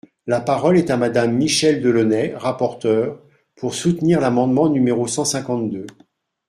La parole est à Madame Michèle Delaunay, rapporteure, pour soutenir l’amendement numéro cent cinquante-deux.